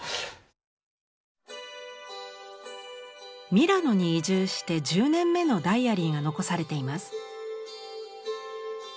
ミラノに移住して１０年目のダイアリーが残されています。